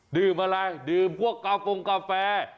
ดื่มอะไรดื่มพวกกาโฟงกาแฟ